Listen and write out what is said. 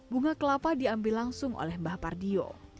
bunga kelapa diambil langsung oleh mbah pardio